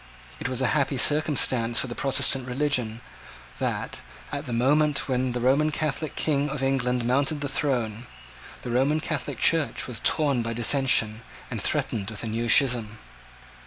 It was a happy circumstance for the Protestant religion that, at the moment when the last Roman Catholic King of England mounted the throne, the Roman Catholic Church was torn by dissension, and threatened with a new schism.